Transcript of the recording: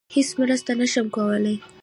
هیڅ مرسته نشم کولی.